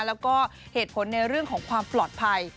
แล้วก็เหตุผลในเรื่องของความปลอดภัย